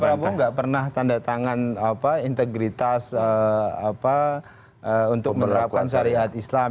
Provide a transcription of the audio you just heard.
pak prabowo nggak pernah tanda tangan integritas untuk menerapkan syariat islam